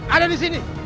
ada di sini